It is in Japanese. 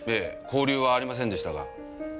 交流はありませんでしたが。